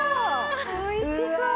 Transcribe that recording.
おいしそう！